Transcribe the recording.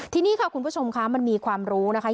ทีนี้ค่ะคุณผู้ชมคะมันมีความรู้นะคะ